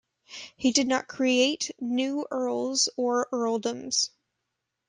He did not create new earls or earldoms.